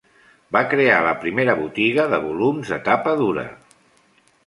Va crear la primera botiga de volums de tapa dura.